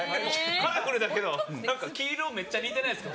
カラフルだけど黄色めっちゃ似てないですか？